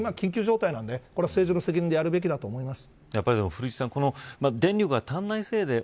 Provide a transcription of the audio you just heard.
今、緊急状態なので、政治の責任でやるべきだと思います。